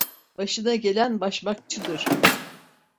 Başına gelen başmakçıdır.